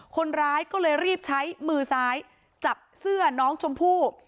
คนร้ายก็เลยรีบใช้มือซ้ายจับเสื้อน้องชมพู่